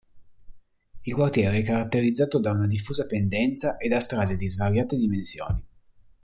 Il quartiere è caratterizzato da una diffusa pendenza e da strade di svariate dimensioni.